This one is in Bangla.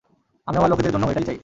আমি আমার লোকেদের জন্যও এটাই চাই।